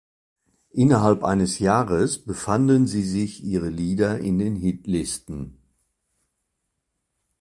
Innerhalb eines Jahres befanden sie sich ihre Lieder in den Hitlisten.